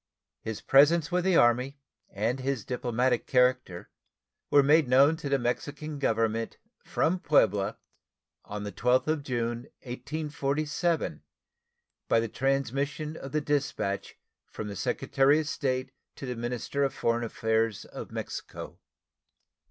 His presence with the Army and his diplomatic character were made known to the Mexican Government from Puebla on the 12th of June, 1847, by the transmission of the dispatch from the Secretary of State to the minister of foreign affairs of Mexico.